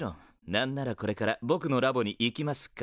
何ならこれからぼくのラボに行きますか？